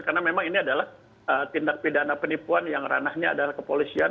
karena memang ini adalah tindak pidana penipuan yang ranahnya adalah kepolisian